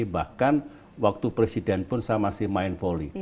bahkan waktu presiden pun saya masih main volley